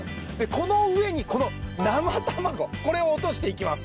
この上にこの生卵これを落としていきます。